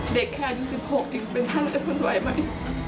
เด็กแค่อายุ๑๖อีกเป็นขั้นเท่าไหร่ไหม